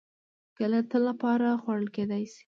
کېله د تل لپاره خوړل کېدای شي.